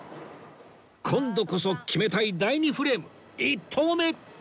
今度こそ決めたい第２フレーム１投目